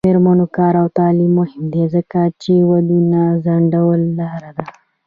د میرمنو کار او تعلیم مهم دی ځکه چې ودونو ځنډ لاره ده.